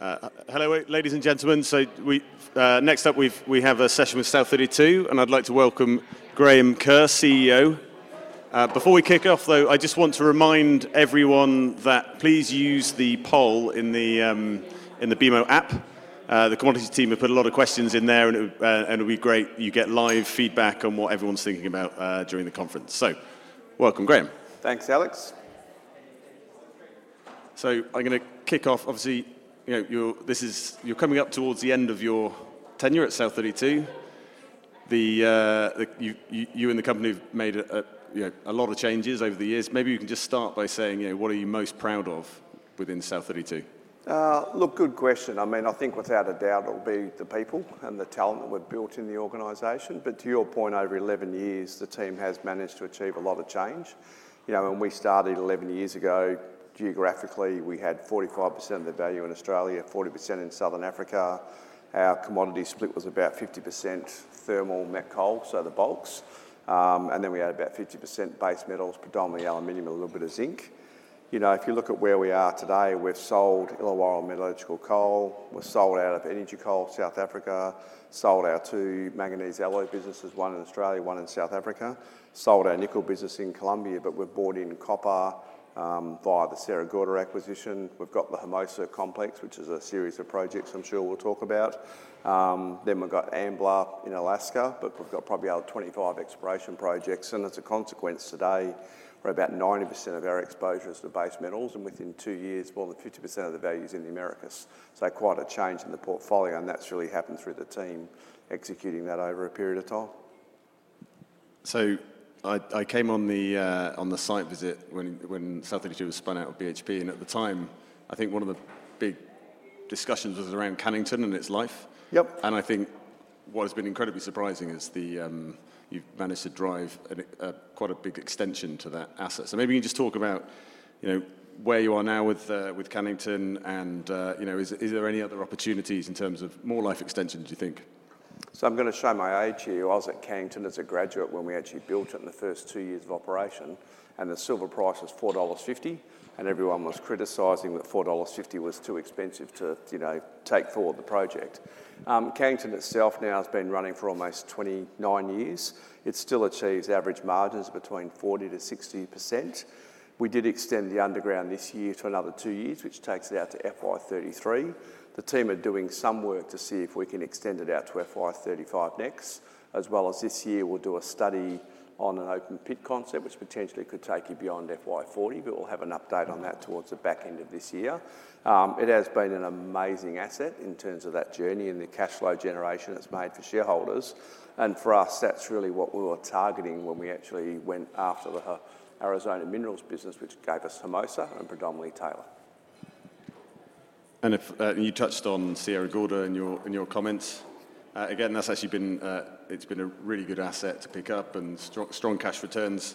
Hello, ladies and gentlemen. Next up, we have a session with South32, and I'd like to welcome Graham Kerr, CEO. Before we kick off, though, I just want to remind everyone that please use the poll in the BMO app. The commodities team have put a lot of questions in there, and it'll be great. You get live feedback on what everyone's thinking about during the conference. Welcome, Graham. Thanks, Alex. I'm gonna kick off. Obviously, you know, you're coming up towards the end of your tenure at South32. The you and the company have made a, you know, a lot of changes over the years. Maybe you can just start by saying, you know, what are you most proud of within South32? Look, good question. I mean, I think without a doubt, it'll be the people and the talent that we've built in the organization. To your point, over 11 years, the team has managed to achieve a lot of change. You know, when we started 11 years ago, geographically, we had 45% of the value in Australia, 40% in Southern Africa. Our commodity split was about 50% thermal met coal, so the bulks. Then we had about 50% base metals, predominantly aluminum, a little bit of zinc. You know, if you look at where we are today, we've sold Illawarra Metallurgical Coal, we've sold out of South Africa Energy Coal, sold our two manganese alloy businesses, one in Australia, one in South Africa, sold our nickel business in Colombia, but we've bought in copper via the Sierra Gorda acquisition. We've got the Hermosa complex, which is a series of projects I'm sure we'll talk about. We've got Ambler in Alaska, we've got probably about 25 exploration projects, as a consequence, today, we're about 90% of our exposure is to base metals, within two years, more than 50% of the value is in the Americas. Quite a change in the portfolio, and that's really happened through the team executing that over a period of time. I came on the site visit when South32 was spun out of BHP, and at the time, I think one of the big discussions was around Cannington and its life. Yep. I think what has been incredibly surprising is the, you've managed to drive a quite a big extension to that asset. Maybe you can just talk about, you know, where you are now with Cannington, and, you know, is there any other opportunities in terms of more life extension, do you think? I'm gonna show my age here. I was at Cannington as a graduate when we actually built it in the first two years of operation. The silver price was $4.50. Everyone was criticizing that $4.50 was too expensive to, you know, take forward the project. Cannington itself now has been running for almost 29 years. It still achieves average margins between 40%-60%. We did extend the underground this year to another two years, which takes it out to FY 2033. The team are doing some work to see if we can extend it out to FY 2035 next. As well as this year, we'll do a study on an open pit concept, which potentially could take you beyond FY 2040. We'll have an update on that towards the back end of this year. It has been an amazing asset in terms of that journey and the cash flow generation it's made for shareholders. For us, that's really what we were targeting when we actually went after the Arizona Mining business, which gave us Hermosa and predominantly Taylor. If you touched on Sierra Gorda in your comments. Again, that's actually been, it's been a really good asset to pick up and strong cash returns.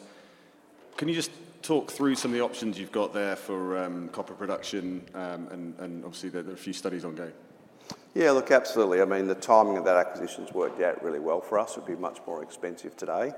Can you just talk through some of the options you've got there for copper production? Obviously, there are a few studies on go. Look, absolutely. I mean, the timing of that acquisition's worked out really well for us. It would be much more expensive today.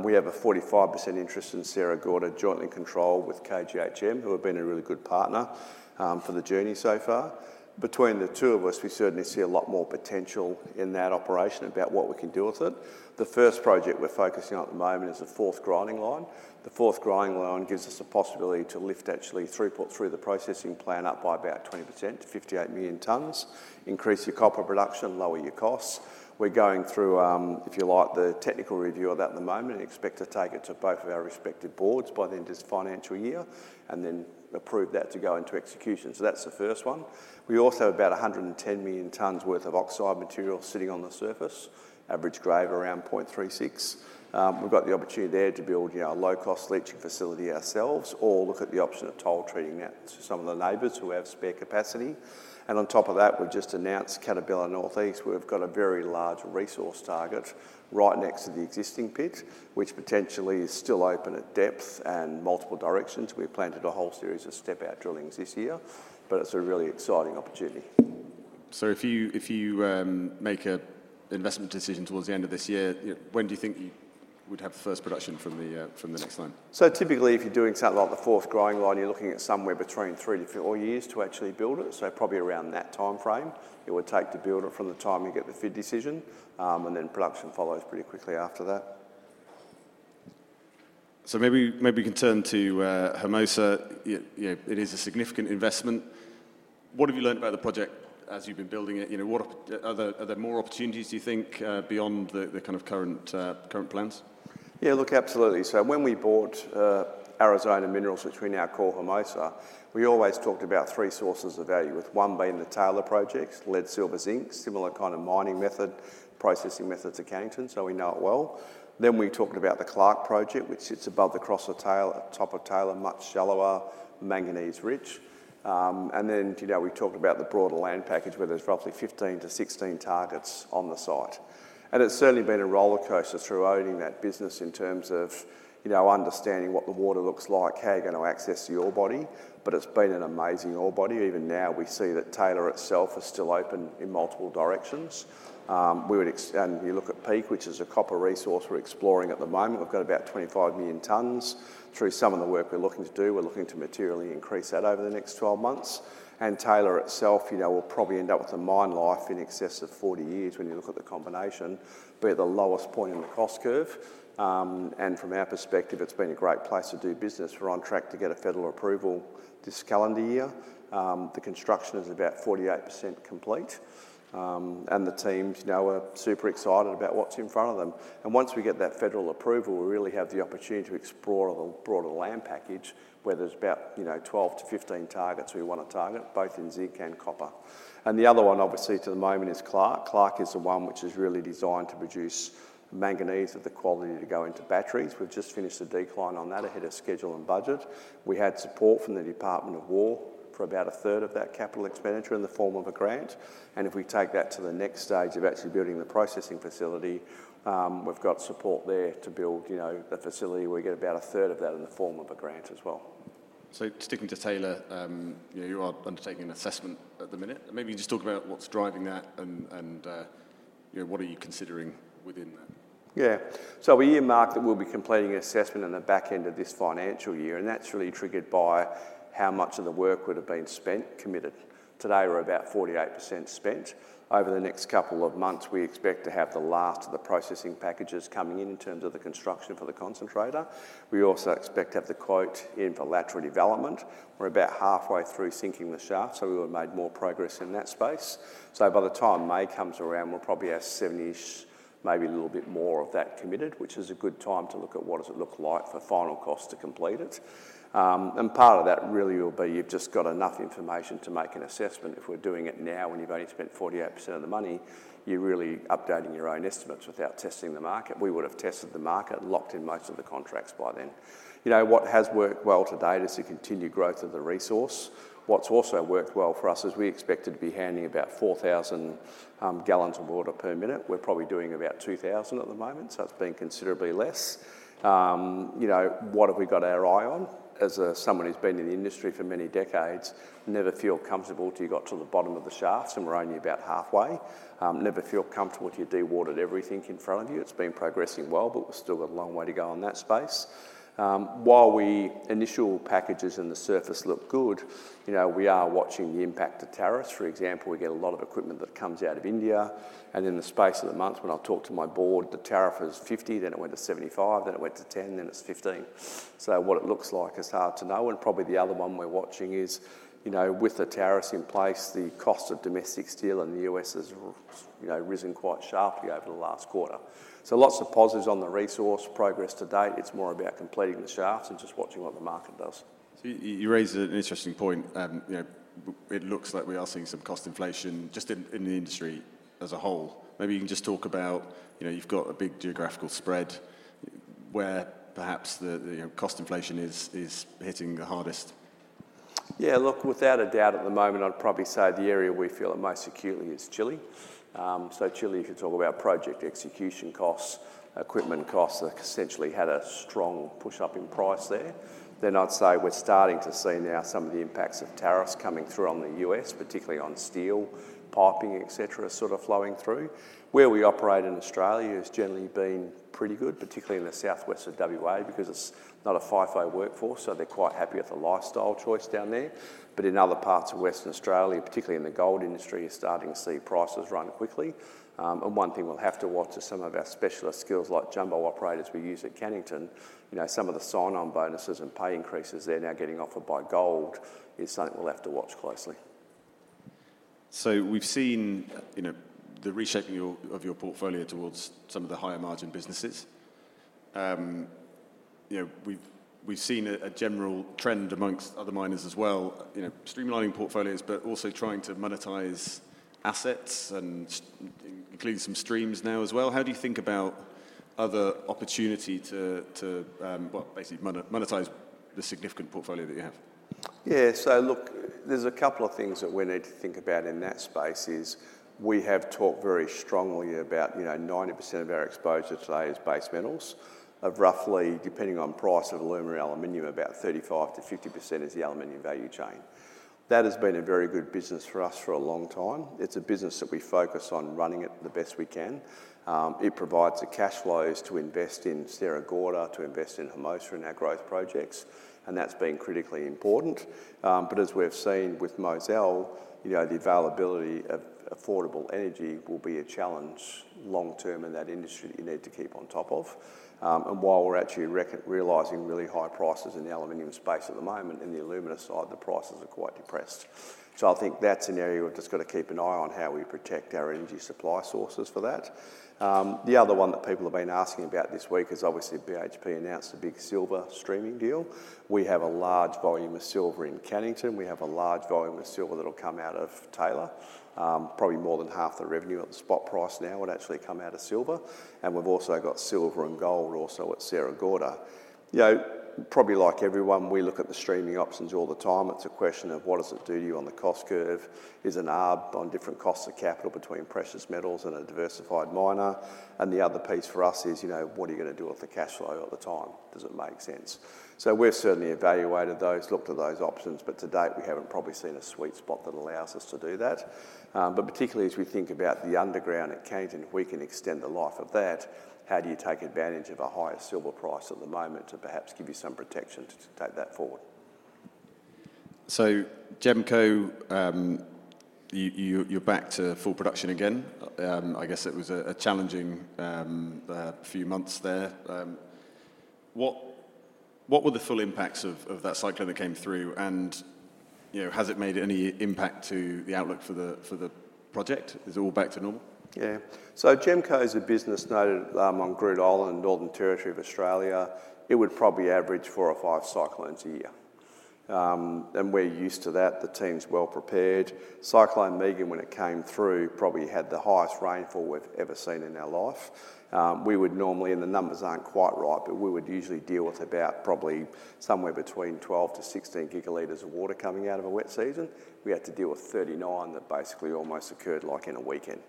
We have a 45% interest in Sierra Gorda, jointly controlled with KGHM, who have been a really good partner for the journey so far. Between the two of us, we certainly see a lot more potential in that operation about what we can do with it. The first project we're focusing on at the moment is a fourth grinding line. The fourth grinding line gives us a possibility to lift actually throughput through the processing plant up by about 20% to 58 million tons, increase your copper production, lower your costs. We're going through, if you like, the technical review of that at the moment and expect to take it to both of our respective boards by the end of this financial year and then approve that to go into execution. That's the first one. We also have about 110 million tons worth of oxide material sitting on the surface, average grade around 0.36%. We've got the opportunity there to build, you know, a low-cost leaching facility ourselves or look at the option of toll treating that to some of the neighbors who have spare capacity. On top of that, we've just announced Cannington North East, where we've got a very large resource target right next to the existing pit, which potentially is still open at depth and multiple directions. We've planted a whole series of step-out drillings this year, but it's a really exciting opportunity. If you make a investment decision towards the end of this year, when do you think you would have the first production from the next line? Typically, if you're doing something like the fourth grinding line, you're looking at somewhere between three to four years to actually build it. Probably around that timeframe it would take to build it from the time you get the FID decision, and then production follows pretty quickly after that. Maybe we can turn to Hermosa. You know, it is a significant investment. What have you learned about the project as you've been building it? You know, are there more opportunities, do you think, beyond the kind of current plans? Yeah, look, absolutely. When we bought Arizona Mining, which we now call Hermosa, we always talked about three sources of value, with one being the Taylor projects: lead, silver, zinc. Similar kind of mining method, processing method to Cannington, so we know it well. We talked about the Clark project, which sits above the cross of Taylor, at top of Taylor, much shallower, manganese-rich. And then, you know, we talked about the broader land package, where there's roughly 15-16 targets on the site. It's certainly been a rollercoaster through owning that business in terms of, you know, understanding what the water looks like, how you're going to access the ore body, but it's been an amazing ore body. Even now, we see that Taylor itself is still open in multiple directions. You look at Peak, which is a copper resource we're exploring at the moment. We've got about 25 million tons. Through some of the work we're looking to do, we're looking to materially increase that over the next 12 months. Taylor itself, you know, will probably end up with a mine life in excess of 40 years when you look at the combination, be at the lowest point in the cost curve. From our perspective, it's been a great place to do business. We're on track to get a federal approval this calendar year. The construction is about 48% complete. The teams now are super excited about what's in front of them. Once we get that federal approval, we really have the opportunity to explore a broader land package, where there's about, you know, 12-15 targets we wanna target, both in zinc and copper. The other one, obviously, at the moment is Clark. Clark is the one which is really designed to produce manganese of the quality to go into batteries. We've just finished a decline on that ahead of schedule and budget. We had support from the Department of War for about a third of that capital expenditure in the form of a grant, and if we take that to the next stage of actually building the processing facility, we've got support there to build, you know, a facility where we get about a third of that in the form of a grant as well. Sticking to Taylor, you know, you are undertaking an assessment at the minute. Maybe you just talk about what's driving that and, you know, what are you considering within that? We earmarked that we'll be completing an assessment in the back end of this financial year. That's really triggered by how much of the work would have been spent, committed. Today, we're about 48% spent. Over the next couple of months, we expect to have the last of the processing packages coming in terms of the construction for the concentrator. We also expect to have the quote in for lateral development. We're about halfway through sinking the shaft. We will have made more progress in that space. By the time May comes around, we'll probably have sevenish, maybe a little bit more of that committed, which is a good time to look at what does it look like for final cost to complete it. Part of that really will be you've just got enough information to make an assessment. If we're doing it now, when you've only spent 48% of the money, you're really updating your own estimates without testing the market. We would have tested the market and locked in most of the contracts by then. You know, what has worked well to date is the continued growth of the resource. What's also worked well for us is we expected to be handling about 4,000 gallons of water per minute. We're probably doing about 2,000 at the moment. It's been considerably less. You know, what have we got our eye on? As someone who's been in the industry for many decades, never feel comfortable till you got to the bottom of the shaft. We're only about halfway. Never feel comfortable till you dewatered everything in front of you. It's been progressing well, but we've still got a long way to go on that space. While initial packages in the surface look good, you know, we are watching the impact of tariffs. For example, we get a lot of equipment that comes out of India, and in the space of the month when I talked to my board, the tariff was 50%, then it went to 75%, then it went to 10%, then it's 15%. What it looks like is hard to know, and probably the other one we're watching is, you know, with the tariffs in place, the cost of domestic steel in the U.S. has, you know, risen quite sharply over the last quarter. Lots of positives on the resource progress to date. It's more about completing the shaft and just watching what the market does. You raised an interesting point. You know, it looks like we are seeing some cost inflation just in the industry as a whole. Maybe you can just talk about, you know, you've got a big geographical spread where perhaps the, you know, cost inflation is hitting the hardest. Yeah, look, without a doubt, at the moment, I'd probably say the area we feel it most acutely is Chile. Chile, if you talk about project execution costs, equipment costs, essentially had a strong push up in price there. I'd say we're starting to see now some of the impacts of tariffs coming through on the U.S., particularly on steel, piping, et cetera, sort of flowing through. Where we operate in Australia has generally been pretty good, particularly in the southwest of WA, because it's not a FIFO workforce, they're quite happy with the lifestyle choice down there. In other parts of Western Australia, particularly in the gold industry, you're starting to see prices run quickly. One thing we'll have to watch is some of our specialist skills, like jumbo operators we use at Cannington. You know, some of the sign-on bonuses and pay increases they're now getting offered by gold is something we'll have to watch closely. We've seen, you know, the reshaping of your portfolio towards some of the higher margin businesses. You know, we've seen a general trend amongst other miners as well, you know, streamlining portfolios, but also trying to monetize assets and including some streams now as well. How do you think about other opportunity to, well, basically monetize the significant portfolio that you have? Yeah. Look, there's a couple of things that we need to think about in that space is, we have talked very strongly about, you know, 90% of our exposure today is base metals. Of roughly, depending on price of alumina and aluminum, about 35%-50% is the aluminum value chain. That has been a very good business for us for a long time. It's a business that we focus on running it the best we can. It provides the cash flows to invest in Sierra Gorda, to invest in Hermosa, in our growth projects, and that's been critically important. As we have seen with Mozal, you know, the availability of affordable energy will be a challenge long term in that industry that you need to keep on top of. While we're actually realizing really high prices in the aluminum space at the moment, in the alumina side, the prices are quite depressed. I think that's an area we've just got to keep an eye on how we protect our energy supply sources for that. The other one that people have been asking about this week is obviously, BHP announced a big silver streaming deal. We have a large volume of silver in Cannington. We have a large volume of silver that will come out of Taylor. Probably more than half the revenue at the spot price now would actually come out of silver, and we've also got silver and gold also at Sierra Gorda. You know, probably like everyone, we look at the streaming options all the time. It's a question of what does it do to you on the cost curve? Is an arb on different costs of capital between precious metals and a diversified miner? The other piece for us is, you know, what are you gonna do with the cash flow at the time? Does it make sense? We've certainly evaluated those, looked at those options, but to date, we haven't probably seen a sweet spot that allows us to do that. Particularly as we think about the underground at Cannington, if we can extend the life of that, how do you take advantage of a higher silver price at the moment to perhaps give you some protection to take that forward? GEMCO, you're back to full production again. I guess it was a challenging few months there. What were the full impacts of that cyclone that came through, and, you know, has it made any impact to the outlook for the project? Is it all back to normal? Yeah. GEMCO is a business noted on Groote Eylandt, Northern Territory of Australia. It would probably average four or five cyclones a year. We're used to that. The team's well prepared. Cyclone Megan, when it came through, probably had the highest rainfall we've ever seen in our life. We would normally, and the numbers aren't quite right, but we would usually deal with about probably somewhere between 12 GL-16 GL of water coming out of a wet season. We had to deal with 39 GL that basically almost occurred, like, in a weekend.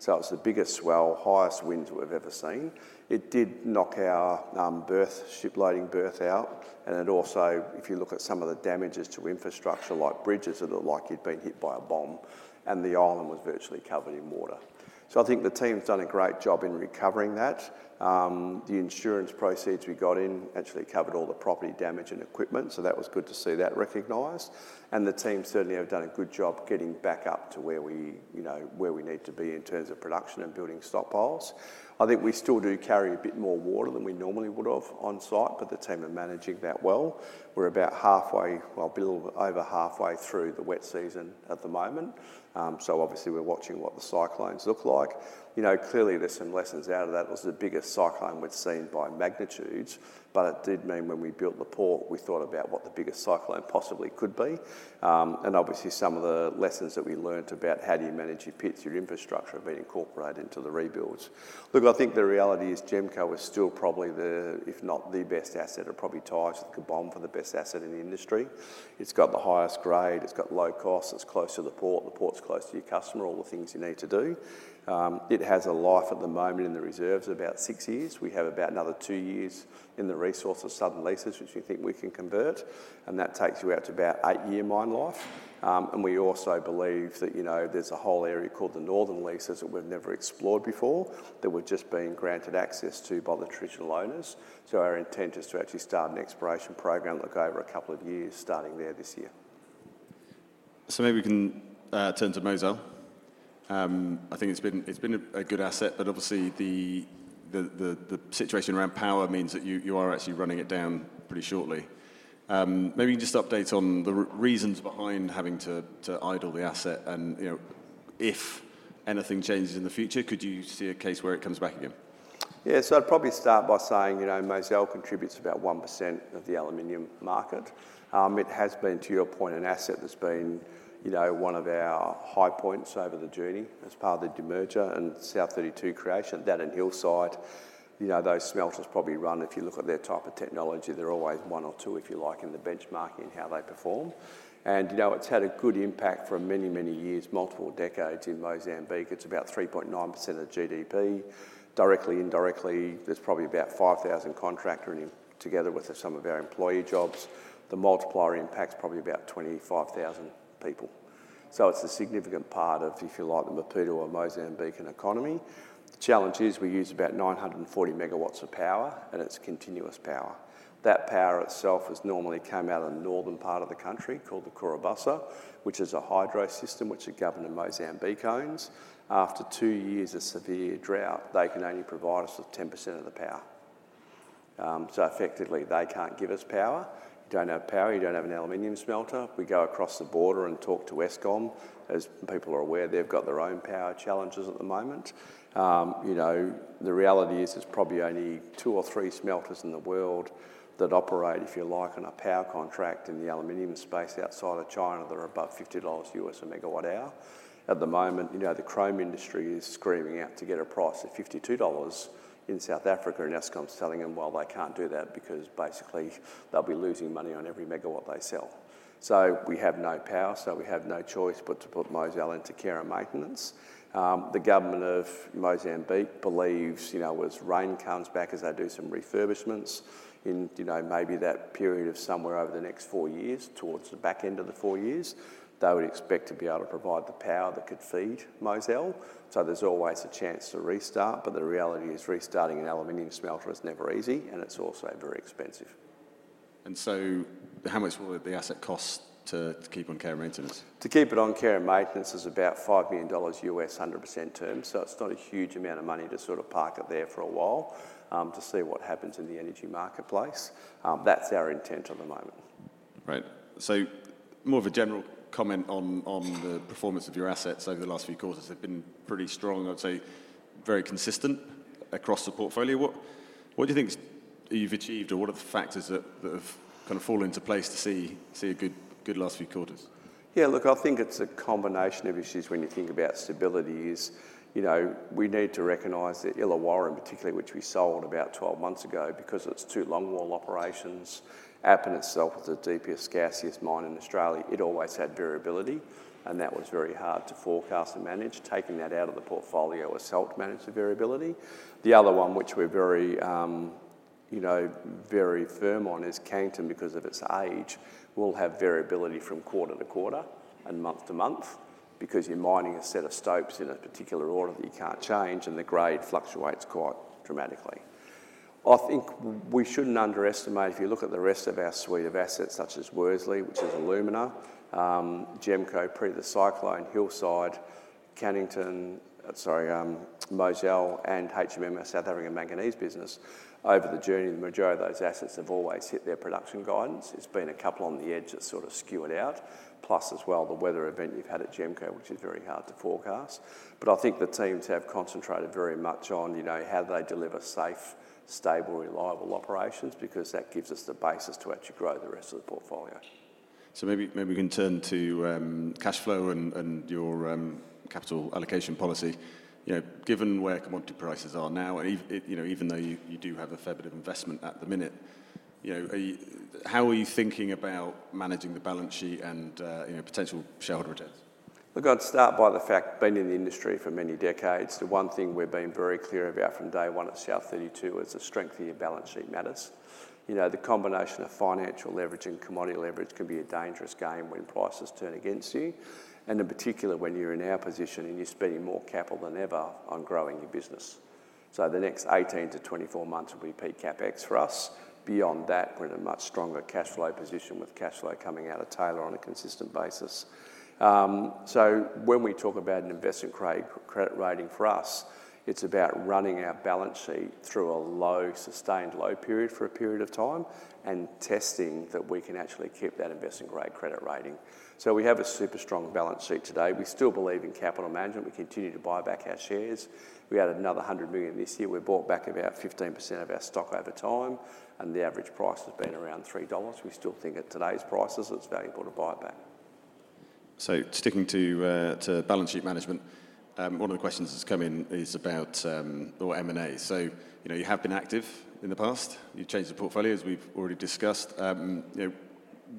It was the biggest swell, highest winds we've ever seen. It did knock our berth, ship loading berth out, and it also, if you look at some of the damages to infrastructure, like bridges, it looked like you'd been hit by a bomb, and the island was virtually covered in water. I think the team's done a great job in recovering that. The insurance proceeds we got in actually covered all the property damage and equipment, so that was good to see that recognized. The team certainly have done a good job getting back up to where we, you know, where we need to be in terms of production and building stockpiles. I think we still do carry a bit more water than we normally would have on-site, but the team are managing that well. We're about halfway, a bit over halfway through the wet season at the moment. We're watching what the cyclones look like. You know, clearly, there's some lessons out of that. It was the biggest cyclone we've seen by magnitudes, but it did mean when we built the port, we thought about what the biggest cyclone possibly could be. Some of the lessons that we learnt about how do you manage your pits, your infrastructure, have been incorporated into the rebuilds. The reality is GEMCO is still probably the, if not the best asset, or probably ties with Cannington for the best asset in the industry. It's got the highest grade, it's got low costs, it's close to the port, the port's close to your customer, all the things you need to do. It has a life at the moment in the reserves of about six years. We have about another two years in the resource of southern leases, which we think we can convert, and that takes you out to about eight-year mine life. We also believe that, you know, there's a whole area called the northern leases that we've never explored before, that we've just been granted access to by the traditional owners. Our intent is to actually start an exploration program over a couple of years, starting there this year. Maybe we can turn to Mozal. I think it's been a good asset, but obviously, the situation around power means that you are actually running it down pretty shortly. Maybe you can just update on the reasons behind having to idle the asset and, you know, if anything changes in the future, could you see a case where it comes back again? I'd probably start by saying, you know, Mozal contributes about 1% of the aluminum market. It has been, to your point, an asset that's been, you know, one of our high points over the journey as part of the demerger and South32 creation. That and Hillside, you know, those smelters probably run. If you look at their type of technology, they're always one or two, if you like, in the benchmarking in how they perform. It's had a good impact for many, many years, multiple decades, in Mozambique. It's about 3.9% of the GDP. Directly, indirectly, there's probably about 5,000 contractor in, together with some of our employee jobs. The multiplier impact's probably about 25,000 people. It's a significant part of, if you like, the Maputo or Mozambican economy. The challenge is we use about 940 MW of power, and it's continuous power. That power itself has normally come out of the northern part of the country, called the Cahora Bassa, which is a hydro system which the government of Mozambique owns. After two years of severe drought, they can only provide us with 10% of the power. Effectively, they can't give us power. You don't have power, you don't have an aluminum smelter. We go across the border and talk to Eskom. People are aware, they've got their own power challenges at the moment. You know, the reality is there's probably only two or three smelters in the world that operate, if you like, on a power contract in the aluminum space outside of China, that are above $50 a MWh. At the moment, you know, the chrome industry is screaming out to get a price of $52 in South Africa. Eskom's telling them, well, they can't do that because basically, they'll be losing money on every megawatt they sell. We have no power, so we have no choice but to put Mozal into care and maintenance. The government of Mozambique believes, you know, as rain comes back, as they do some refurbishments in, you know, maybe that period of somewhere over the next four years, towards the back end of the four years, they would expect to be able to provide the power that could feed Mozal. There's always a chance to restart, but the reality is, restarting an aluminum smelter is never easy, and it's also very expensive. How much will the asset cost to keep on care and maintenance? To keep it on care and maintenance is about $5 million, 100% terms. It's not a huge amount of money to sort of park it there for a while, to see what happens in the energy marketplace. That's our intent at the moment. Right. More of a general comment on the performance of your assets over the last few quarters. They've been pretty strong, I'd say very consistent across the portfolio. What do you think you've achieved, or what are the factors that have kind of fallen into place to see a good last few quarters? Look, I think it's a combination of issues when you think about stability is, you know, we need to recognize that Illawarra, in particular, which we sold about 12 months ago, because it's two long wall operations, Appin itself was the deepest, scariest mine in Australia. It always had variability, and that was very hard to forecast and manage. Taking that out of the portfolio itself managed the variability. The other one, which we're very, you know, very firm on, is Cannington, because of its age, will have variability from quarter to quarter and month to month because you're mining a set of stopes in a particular order that you can't change, and the grade fluctuates quite dramatically. I think we shouldn't underestimate, if you look at the rest of our suite of assets, such as Worsley, which is alumina, GEMCO, pre the cyclone, Hillside, Cannington, Mozal, and HMM, our South African manganese business. Over the journey, the majority of those assets have always hit their production guidance. It's been a couple on the edge that sort of skew it out, plus as well, the weather event you've had at GEMCO, which is very hard to forecast. I think the teams have concentrated very much on, you know, how they deliver safe, stable, reliable operations because that gives us the basis to actually grow the rest of the portfolio. Maybe we can turn to cash flow and your capital allocation policy. You know, given where commodity prices are now, you know, even though you do have a fair bit of investment at the minute, you know, how are you thinking about managing the balance sheet and potential shareholder returns? Look, I'd start by the fact, been in the industry for many decades, the one thing we've been very clear about from day one at South32 is the strength of your balance sheet matters. You know, the combination of financial leverage and commodity leverage can be a dangerous game when prices turn against you, and in particular, when you're in our position and you're spending more capital than ever on growing your business. The next 18-24 months will be peak CapEx for us. Beyond that, we're in a much stronger cash flow position with cash flow coming out of Taylor on a consistent basis. When we talk about an investment-grade credit rating, for us, it's about running our balance sheet through a low, sustained low period for a period of time and testing that we can actually keep that investment-grade credit rating. We have a super strong balance sheet today. We still believe in capital management. We continue to buy back our shares. We added another 100 million this year. We bought back about 15% of our stock over time, and the average price has been around 3 dollars. We still think at today's prices, it's valuable to buy back. Sticking to balance sheet management, one of the questions that's come in is about M&A. You know, you have been active in the past. You've changed the portfolio, as we've already discussed. You know,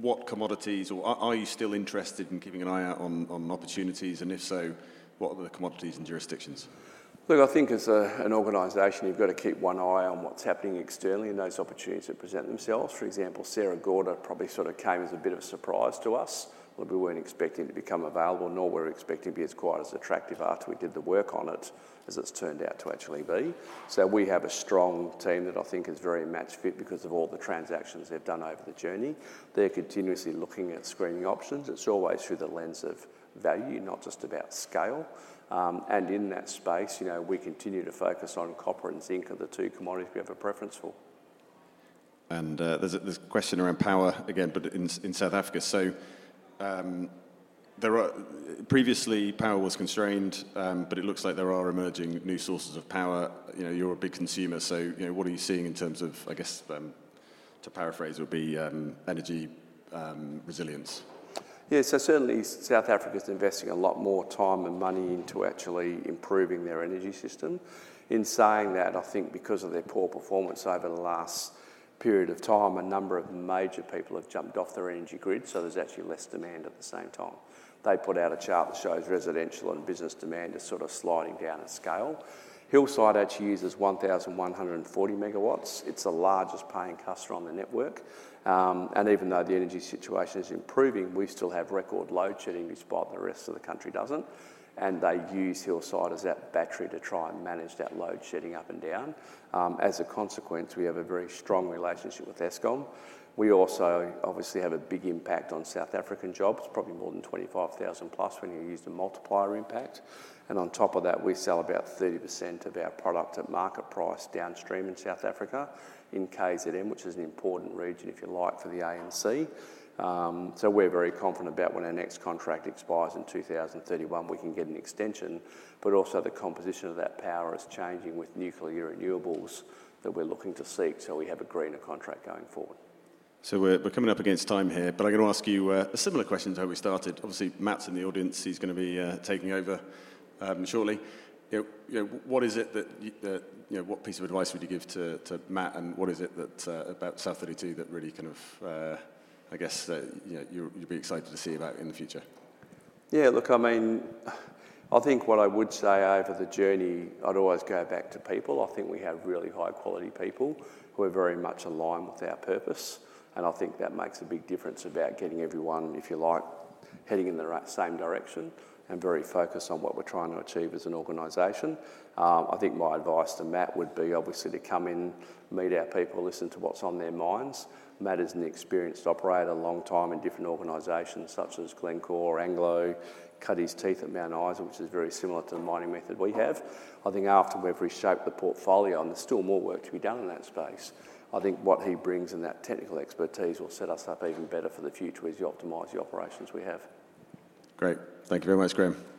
what commodities are you still interested in keeping an eye out on opportunities? If so, what are the commodities and jurisdictions? I think as an organization, you've got to keep one eye on what's happening externally and those opportunities that present themselves. For example, Sierra Gorda probably sort of came as a bit of a surprise to us. We weren't expecting it to become available, nor were we expecting it to be as quite as attractive after we did the work on it, as it's turned out to actually be. We have a strong team that I think is very match fit because of all the transactions they've done over the journey. They're continuously looking at screening options. It's always through the lens of value, not just about scale. In that space, you know, we continue to focus on copper and zinc are the two commodities we have a preference for. There's a question around power again, but in South Africa. Previously, power was constrained, but it looks like there are emerging new sources of power. You know, you're a big consumer, you know, what are you seeing in terms of, I guess, to paraphrase, would be, energy resilience? Certainly, South Africa is investing a lot more time and money into actually improving their energy system. In saying that, I think because of their poor performance over the last period of time, a number of major people have jumped off their energy grid, so there's actually less demand at the same time. They put out a chart that shows residential and business demand is sort of sliding down at scale. Hillside actually uses 1,140 megawatts. It's the largest paying customer on the network. And even though the energy situation is improving, we still have record load shedding despite the rest of the country doesn't, and they use Hillside as that battery to try and manage that load shedding up and down. As a consequence, we have a very strong relationship with Eskom. We also, obviously, have a big impact on South African jobs, probably more than 25,000+ when you use the multiplier impact. On top of that, we sell about 30% of our product at market price downstream in South Africa, in KZN, which is an important region, if you like, for the ANC. We're very confident about when our next contract expires in 2031, we can get an extension, but also the composition of that power is changing with nuclear renewables that we're looking to seek, so we have a greener contract going forward. We're coming up against time here, but I'm going to ask you a similar question to how we started. Obviously, Matt's in the audience. He's going to be taking over shortly. You know, what is it that you know, what piece of advice would you give to Matt, and what is it that about South32 that really kind of, I guess, you know, you'd be excited to see about in the future? Look, I mean, I think what I would say over the journey, I'd always go back to people. I think we have really high-quality people who are very much aligned with our purpose, and I think that makes a big difference about getting everyone, if you like, heading in the right, same direction and very focused on what we're trying to achieve as an organization. I think my advice to Matt would be, obviously, to come in, meet our people, listen to what's on their minds. Matt is an experienced operator, a long time in different organizations such as Glencore, Anglo, cut his teeth at Mount Isa, which is very similar to the mining method we have. I think after we've reshaped the portfolio, and there's still more work to be done in that space, I think what he brings in that technical expertise will set us up even better for the future as you optimize the operations we have. Great. Thank you very much, Graham. Thank you.